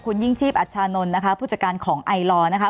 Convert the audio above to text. คุณยิ่งชีพอัชชานนท์นะคะผู้จัดการของไอลอร์นะคะ